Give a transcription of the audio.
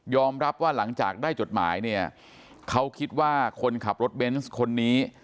รับว่าหลังจากได้จดหมายเนี่ยเขาคิดว่าคนขับรถเบนส์คนนี้